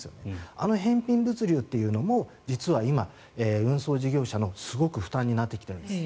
あの返品物流というのも実は今運送事業者のすごく負担になってきてるんです。